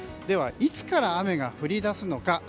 ではいつから雨が降り出すのか。